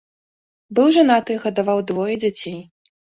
Быў жанаты, гадаваў двое дзяцей.